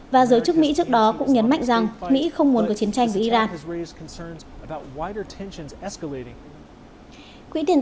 và giới chức mỹ trước đó cũng nhấn mạnh rằng mỹ không muốn có chiến tranh với iran